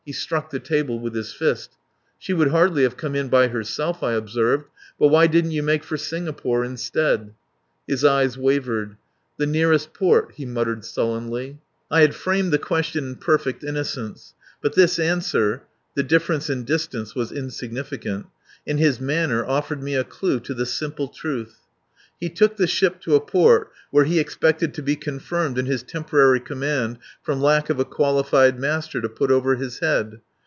He struck the table with his fist. "She would hardly have come in by herself," I observed. "But why didn't you make for Singapore instead?" His eyes wavered. "The nearest port," he muttered sullenly. I had framed the question in perfect innocence, but his answer (the difference in distance was insignificant) and his manner offered me a clue to the simple truth. He took the ship to a port where he expected to be confirmed in his temporary command from lack of a qualified master to put over his head.